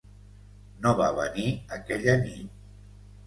No va venir aquella nit.